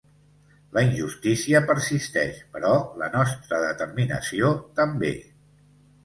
La injustícia persisteix, però la nostra determinació també.